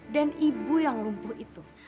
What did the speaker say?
dan ibu yang lumpuh itu